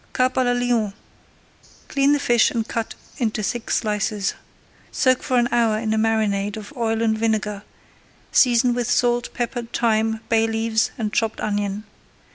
CARP À LA LYONS Clean the fish and cut into thick slices. Soak for an hour in a marinade of oil and vinegar, season with salt, pepper, thyme, bay leaves, and chopped onion.